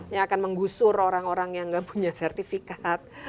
yang akan menggusur orang orang yang nggak punya sertifikat